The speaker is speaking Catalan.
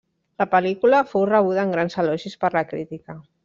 La pel·lícula fou rebuda amb grans elogis per la crítica.